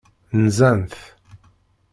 Nzant.